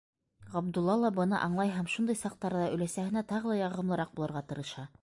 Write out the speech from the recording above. Ғабдулла ла быны аңлай һәм шундай саҡтарҙа өләсәһенә тағы ла яғымлыраҡ булырға тырыша.